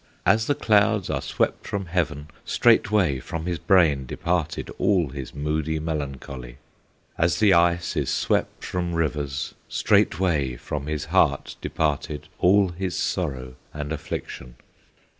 As the clouds are swept from heaven, Straightway from his brain departed All his moody melancholy; As the ice is swept from rivers, Straightway from his heart departed All his sorrow and affliction.